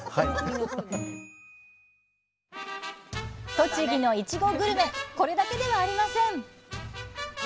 栃木のいちごグルメこれだけではありません！